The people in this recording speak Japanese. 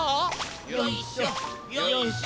よいしょよいしょ。